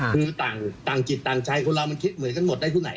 คือต่างจิตต่างใจคนเรามันคิดเหมือนกันหมดได้ที่ไหน